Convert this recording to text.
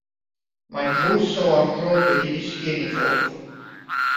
Mae drws y wardrob wedi disgyn i ffwrdd.